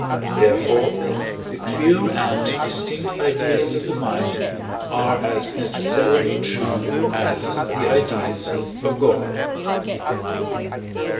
therefore, the clear and distinct ideas of the mind are as necessarily true as the ideas of God.